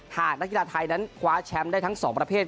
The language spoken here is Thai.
หากนักกีฬาไทยนั้นคว้าแชมป์ได้ทั้งสองประเภท